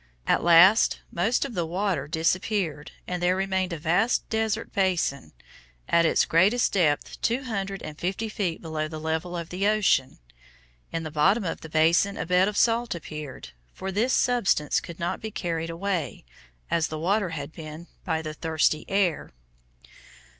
At last, most of the water disappeared and there remained a vast desert basin, at its greatest depth two hundred and fifty feet below the level of the ocean. In the bottom of the basin a bed of salt appeared, for this substance could not be carried away, as the water had been, by the thirsty air.